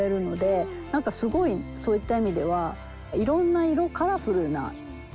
何かすごいそういった意味ではいろんな色。